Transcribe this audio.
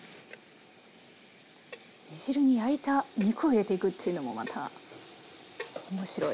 煮汁に焼いた肉を入れていくちゅうのもまた面白い。